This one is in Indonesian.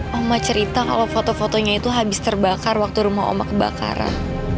oma cerita kalau foto fotonya itu habis terbakar waktu rumah oma kebakaran